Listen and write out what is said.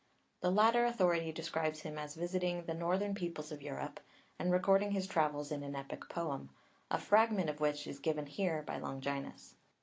The latter authority describes him as visiting the northern peoples of Europe and recording his travels in an epic poem, a fragment of which is given here by Longinus.